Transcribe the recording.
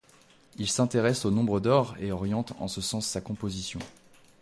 Il s'intéresse au nombre d'or et oriente en ce sens sa composition.